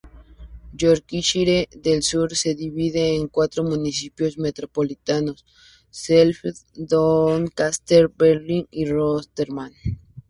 Yorkshire del Sur se divide en cuatro municipios metropolitanos: Sheffield, Doncaster, Barnsley y Rotherham.